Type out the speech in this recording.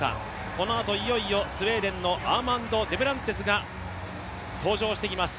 このあと、いよいよスウェーデンのアーマンド・デュプランティスが登場してきます。